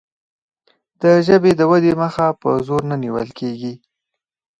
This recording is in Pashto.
د ژبې د ودې مخه په زور نه نیول کیږي.